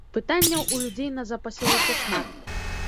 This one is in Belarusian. Пытанняў у людзей назапасілася шмат.